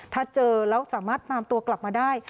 ถ้าเจอแล้วสามารถนำตัวกลับมาได้